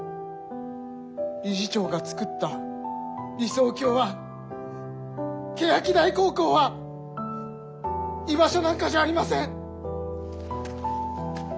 理事長がつくった理想郷は欅台高校は居場所なんかじゃありません。